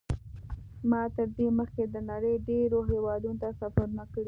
ما تر دې مخکې د نړۍ ډېرو هېوادونو ته سفرونه کړي.